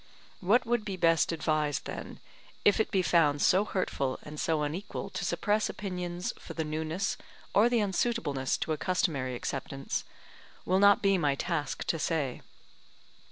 What would be best advised, then, if it be found so hurtful and so unequal to suppress opinions for the newness or the unsuitableness to a customary acceptance, will not be my task to say.